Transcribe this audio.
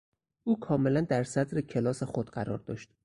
او کاملا در صدر کلاس خود قرار داشت.